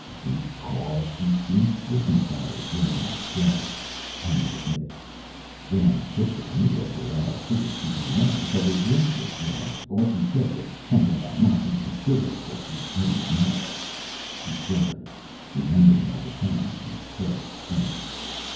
"Because she seemed different from other women, I guess," Henry admitted. "When I tipped the canoe over, and I figured she'd be mad because her dress was ruined, all she said was something about not being sugar, so she wouldn't melt." He shuddered, remembering all the times she'd said it since.